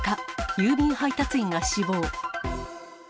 郵便配達員が死亡。